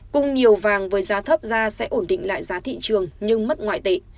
cung nhiều vàng với giá thấp ra sẽ ổn định lại giá thị trường nhưng mất ngoại tệ